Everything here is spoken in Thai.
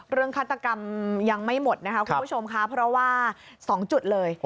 เรื่องคัตกรรมยังไม่หมดนะครับคุณผู้ชมค่ะเพราะว่า๒จุดเลย